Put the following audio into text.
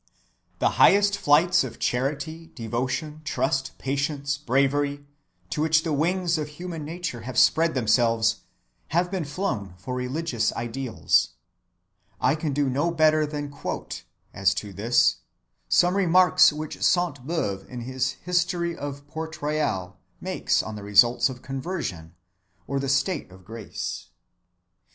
The highest flights of charity, devotion, trust, patience, bravery to which the wings of human nature have spread themselves have been flown for religious ideals. I can do no better than quote, as to this, some remarks which Sainte‐Beuve in his History of Port‐Royal makes on the results of conversion or the state of grace.